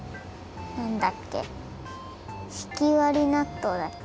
なんだっけ？ひきわりなっとうだっけ？